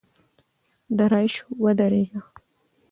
درایش ودرېږه !!